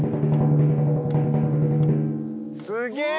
すげえ！